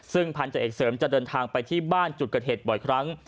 ซึ่งพันธเอกเสริมจะเดินทางไปที่บ้านจุดเกิดเหตุบ่อยครั้ง